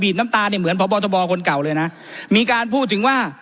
น้ำตาเนี่ยเหมือนพบทบคนเก่าเลยนะมีการพูดถึงว่า